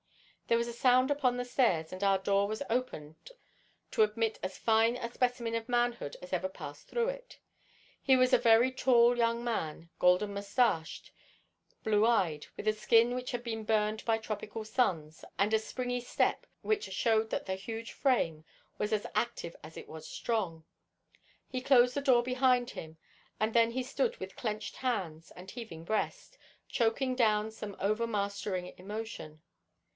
There was a sound upon the stairs, and our door was opened to admit as fine a specimen of manhood as ever passed through it. He was a very tall young man, golden moustached, blue eyed, with a skin which had been burned by tropical suns, and a springy step which showed that the huge frame was as active as it was strong. He closed the door behind him, and then he stood with clenched hands and heaving breast, choking down some overmastering emotion.